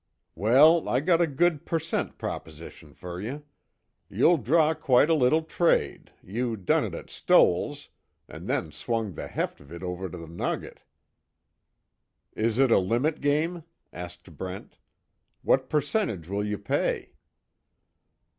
"Sure. Well I got a good percent proposition fer you. You'll draw quite a little trade you done it at Stoell's, an' then swung the heft of it over to 'The Nugget.'" "Is it a limit game?" asked Brent. "What percentage will you pay?"